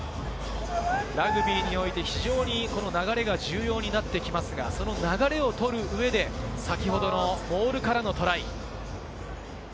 ラグビーにおいて非常にこの流れが重要になってきますが、その流れを取る上で先ほどのモールからのトライ。